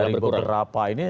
dari beberapa ini